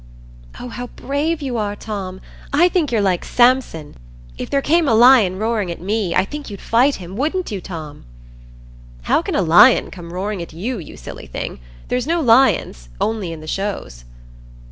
"Oh, how brave you are, Tom! I think you're like Samson. If there came a lion roaring at me, I think you'd fight him, wouldn't you, Tom?" "How can a lion come roaring at you, you silly thing? There's no lions, only in the shows."